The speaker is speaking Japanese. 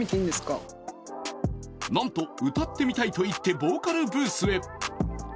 なんと、歌ってみたいといってボーカルブースへ。